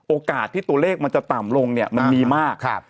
โอกาสที่ตัวเลขมันจะต่ำลงเนี่ยมันมีมาก